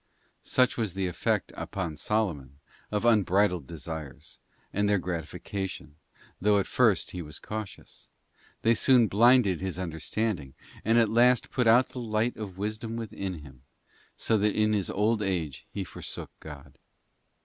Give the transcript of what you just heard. * Such was the effect upon Solomon of unbridled desires, and their gratification, though at first he was cautious; they soon blinded his understanding, and at last put out the light of wisdom within him, so that in his old age he forsook God.